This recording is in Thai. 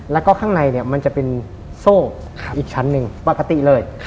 แล้วก็ข้างในเนี่ยมันจะเป็นโซ่อีกชั้นหนึ่งปกติเลย